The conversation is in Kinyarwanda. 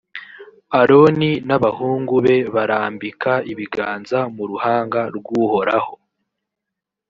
aroni n’abahungu be barambika ibiganza mu ruhanga rw’uhoraho